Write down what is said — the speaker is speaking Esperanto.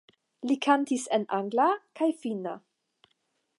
Li kantis en angla kaj finna.